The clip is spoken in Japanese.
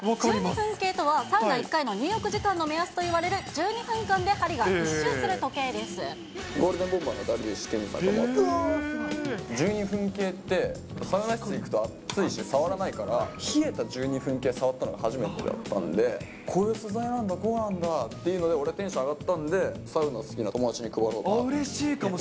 １２分計とはサウナ１回の入浴時間といわれる１２分間で針が１周ゴールデンボンバーの樽美酒研二さんが１２分計って、サウナ室行くと熱いし、触らないから、冷えた１２分計触ったの初めてだったんで、こういう素材なんだ、こうなんだっていうので、俺、テンション上がったんで、サウナ好きな友達に配ろうかな。